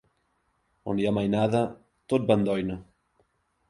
On hi ha mainada tot va en doina!